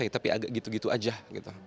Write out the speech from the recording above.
tapi agak gitu gitu aja gitu